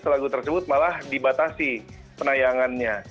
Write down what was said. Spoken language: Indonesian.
lagu tersebut malah dibatasi penayangannya